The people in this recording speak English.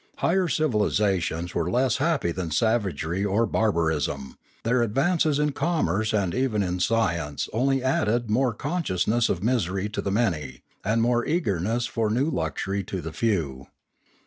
Higher civilisations were less happy than savagery or barbarism; their advances in commerce and even in science only added more con sciousness of misery to the many, and more eagerness for new luxury to the few.